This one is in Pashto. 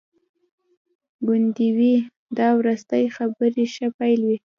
ګوندي وي دا وروستي خبري ښه پیل وي.